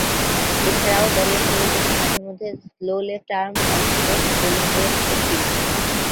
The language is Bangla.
এছাড়াও, দলের প্রয়োজনে মাঝে-মধ্যে স্লো লেফট-আর্ম অর্থোডক্স বোলিং করে থাকেন।